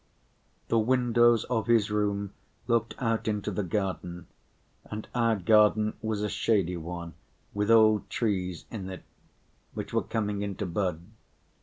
The windows of his room looked out into the garden, and our garden was a shady one, with old trees in it which were coming into bud.